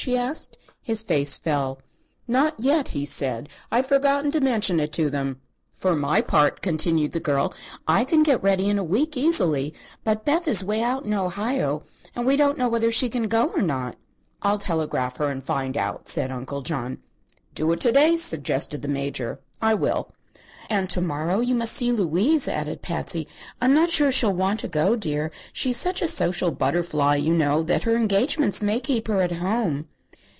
she asked. His face fell. "Not yet," he said. "I'd forgotten to mention it to them." "For my part," continued the girl, "I can get ready in a week, easily. But Beth is way out in Ohio, and we don't know whether she can go or not." "I'll telegraph her, and find out," said Uncle John. "Do it to day," suggested the Major. "I will." "And to morrow you must see Louise," added Patsy. "I'm not sure she'll want to go, dear. She's such a social butterfly, you know, that her engagements may keep her at home."